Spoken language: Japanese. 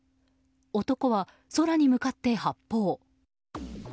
男は空に向かって発砲。